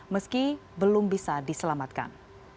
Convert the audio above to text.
meski belum bisa diselamatkan